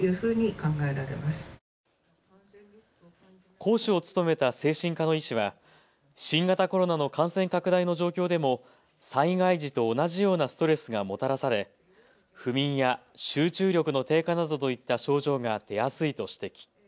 講師を務めた精神科の医師は新型コロナの感染拡大の状況でも災害時と同じようなストレスがもたらされ不眠や集中力の低下などといった症状が出やすいと指摘。